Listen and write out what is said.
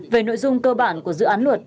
về nội dung cơ bản của dự án luật